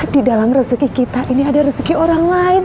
di dalam rezeki kita ini ada rezeki orang lain